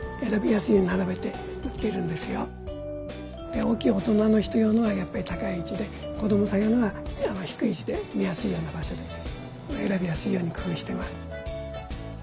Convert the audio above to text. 文具は大きい大人の人用のはやっぱり高いいちで子どもさん用のはひくいいちで見やすいような場所でえらびやすいようにくふうしてます。